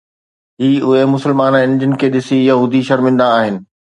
هي اهي مسلمان آهن جن کي ڏسي يهودي شرمندا آهن